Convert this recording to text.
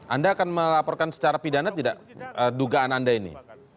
anda akan melaporkan secara pidana tidak dugaan anda ini